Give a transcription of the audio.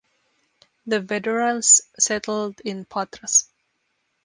The veterans settled in Patras.